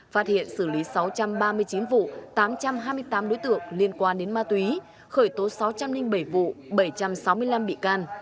phát hiện xử lý sáu trăm ba mươi chín vụ tám trăm hai mươi tám đối tượng liên quan đến ma túy khởi tố sáu trăm linh bảy vụ bảy trăm sáu mươi năm bị can